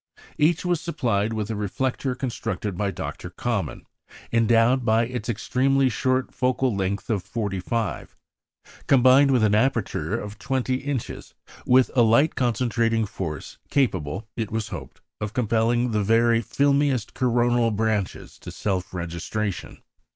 Each was supplied with a reflector constructed by Dr. Common, endowed, by its extremely short focal length of forty five, combined with an aperture of twenty inches, with a light concentrating force capable, it was hoped, of compelling the very filmiest coronal branches to self registration.